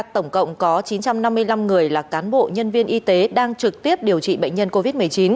tổng cộng có chín trăm năm mươi năm người là cán bộ nhân viên y tế đang trực tiếp điều trị bệnh nhân covid một mươi chín